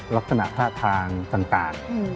ลักษณะท่าทางต่าง